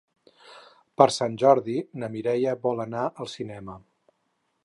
Per Sant Jordi na Mireia vol anar al cinema.